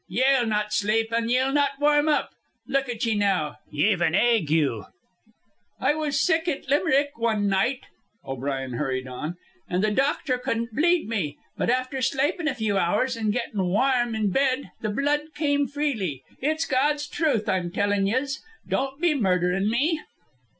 Ye'll not slape, and ye'll not warm up. Look at ye now. You've an ague." "I was sick at Limerick wan night," O'Brien hurried on, "an' the dochtor cudn't bleed me. But after slapin' a few hours an' gettin' warm in bed the blood came freely. It's God's truth I'm tellin' yez. Don't be murderin' me!"